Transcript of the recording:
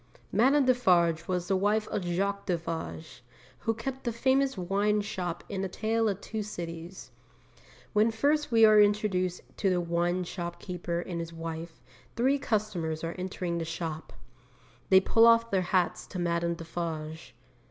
Madame Defarge was the wife of Jacques Defarge, who kept the famous wine shop in A Tale of Two Cities. When first we are introduced to the wine shopkeeper and his wife, three customers are entering the shop. They pull off their hats to Madame Defarge.